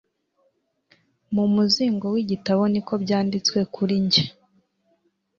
Mu muzingo w'igitabo niko byanditswe kuri njye.